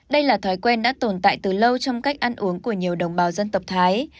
đây là thói quen đã tồn tại từ lâu trong cách ăn uống của nhiều đồng bào dân tộc thái